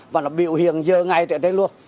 và nó biểu hiện giờ ngay tại đây luôn